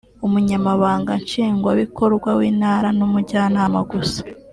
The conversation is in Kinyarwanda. Umunyamabanga Nshingwabikorwa w’Intara n’Umujyanama gusa